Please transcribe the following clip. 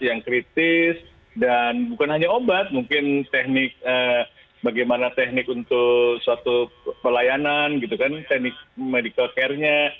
yang kritis dan bukan hanya obat mungkin teknik bagaimana teknik untuk suatu pelayanan gitu kan teknik medical care nya